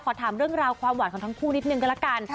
ขอถามเรื่องราวความหวานของทั้งคู่นิดนึงก็ละกัน